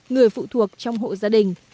người phụ thuộc trong hộ gia đình